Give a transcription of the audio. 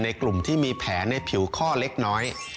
กลุ่มที่มีแผลในผิวข้อเล็กน้อย